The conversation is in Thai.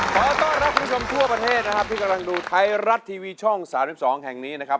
ขอต้อนรับคุณผู้ชมทั่วประเทศนะครับที่กำลังดูไทยรัฐทีวีช่อง๓๒แห่งนี้นะครับ